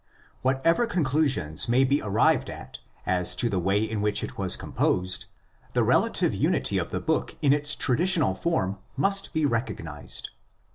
Whatever conclusions may be arrived at as to the way in which it was composed, the relative unity of the book in its traditional form must be recognised.